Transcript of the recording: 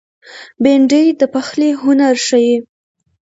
بېنډۍ د پخلي هنر ښيي